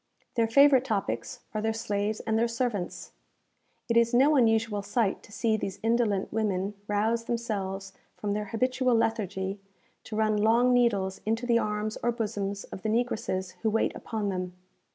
Their favourite topics are their slaves and their servants. It is no unusual sight to see these indolent women rouse themselves from their habitual lethargy, to run long needles into the arms or bosoms of the negresses who wait upon them.